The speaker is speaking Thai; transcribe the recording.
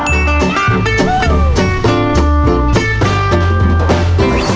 คอมเตอะ๔๘ปี